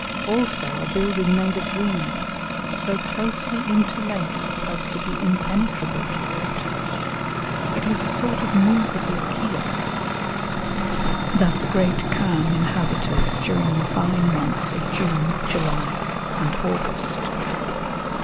Also a building made of reeds, so closely interlaced as to be impenetrable to water; it was a sort of movable kiosk that the great khan inhabited during the fine months of June, July, and August.